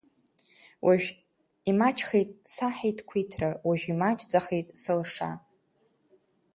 Уажә имаҷхеит саҳиҭ-қәиҭра, уажә имаҷӡахеит сылша.